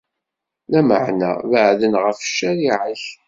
Lameɛna beɛɛden ɣef ccariɛa-k.